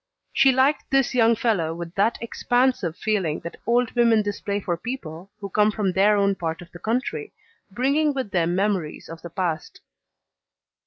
She liked this young fellow with that expansive feeling that old women display for people who come from their own part of the country, bringing with them memories of the past.